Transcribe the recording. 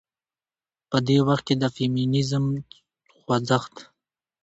په دې وخت کې د فيمينزم خوځښت